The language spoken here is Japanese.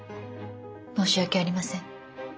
申し訳ありません。